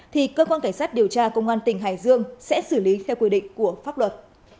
thì cơ quan cảnh sát điều tra công an tỉnh hải dương sẽ xử lý theo quy định của pháp luật